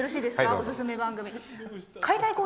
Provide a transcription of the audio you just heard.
おすすめ番組。